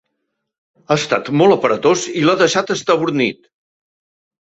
Ha estat molt aparatós i l'ha deixat estabornit.